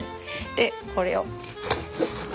でこれを。